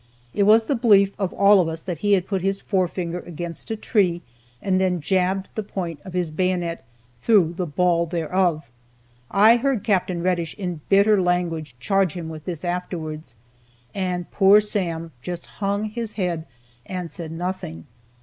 It was the belief of all of us that he had put his forefinger against a tree, and then jabbed the point of his bayonet through the ball thereof. I heard Capt. Reddish in bitter language charge him with this afterwards, and poor Sam just hung his head and said nothing.